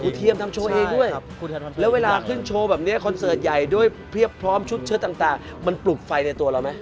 เทียมทำโชว์เองด้วยแล้วเวลาขึ้นโชว์แบบนี้คอนเสิร์ตใหญ่ด้วยเพียบพร้อมชุดเชิดต่างมันปลุกไฟในตัวเราไหม